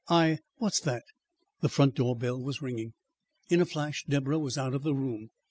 I What's that?" The front door bell was ringing. In a flash Deborah was out of the room.